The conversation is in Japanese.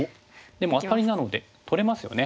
でもアタリなので取れますよね。